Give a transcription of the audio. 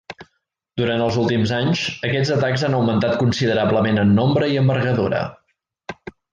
Durant els últims anys aquests atacs han augmentat considerablement en nombre i envergadura.